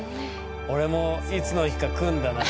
俺もいつの日か来んだな。